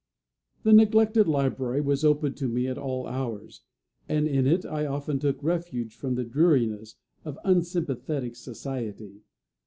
The neglected library was open to me at all hours; and in it I often took refuge from the dreariness of unsympathetic society.